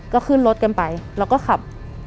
ก็ขึ้นรถกันไปแล้วก็ขับ